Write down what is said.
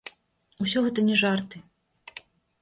Усё гэта не жарты.